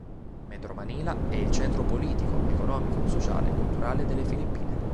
Metro Manila è il centro politico, economico, sociale e culturale delle Filippine.